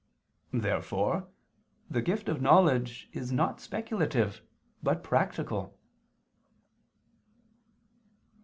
Therefore the gift of knowledge is not speculative but practical.